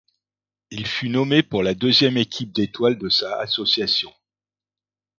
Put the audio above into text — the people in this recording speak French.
Il fut nommé pour la deuxième équipe d'étoiles de sa association.